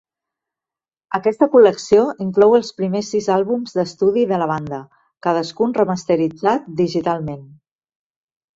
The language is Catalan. Aquesta col·lecció inclou els primers sis àlbums d'estudi de la banda, cadascun remasteritzat digitalment.